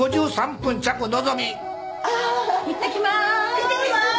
いってきます。